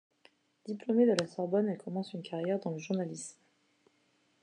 Diplômée de la Sorbonne, elle commence une carrière dans le journalisme.